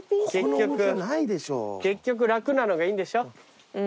結局楽なのがいいんでしょ？